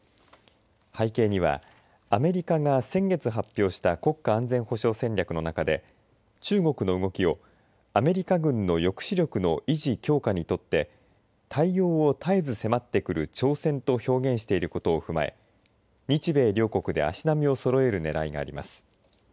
背景には、アメリカが先月発表した国家安全保障戦略の中で中国の動きをアメリカ軍の抑止力の維持、強化にとって対応を絶えず迫ってくる挑戦と表現していることを踏まえ日米両国で足並みをそろえるねらいがあります。